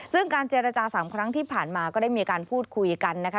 ซึ่งการเจรจา๓ครั้งที่ผ่านมาก็ได้มีการพูดคุยกันนะคะ